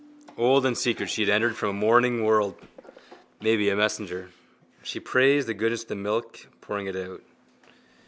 Old and secret she had entered from a morning world, maybe a messenger. She praised the goodness of the milk, pouring it out.